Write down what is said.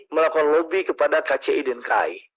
melakukan lobby kepada kci dan kai